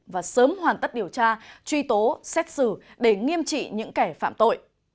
và sớm hoàn tất điều tra truy tố xét xử để nghiêm trị những kẻ phạm tội